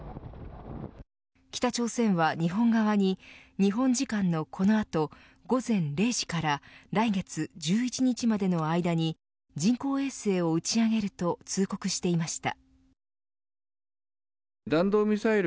北朝鮮は日本側に日本時間のこの後午前０時から来月１１日までの間に人工衛星を打ち上げると通告していました。